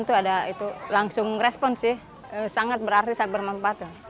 itu ada itu langsung respon sih sangat berarti sangat bermanfaat